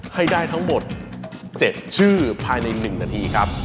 ให้ได้ทั้งหมด๗ชื่อภายใน๑นาทีครับ